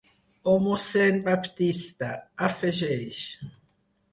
O mossèn Baptista, afegeix.